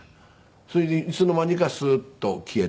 それでいつの間にかスーッと消えて。